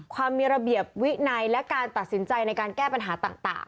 ความมีระเบียบวินัยและการตัดสินใจในการแก้ปัญหาต่าง